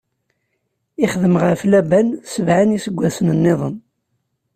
Ixdem ɣef Laban sebɛa n iseggasen-nniḍen.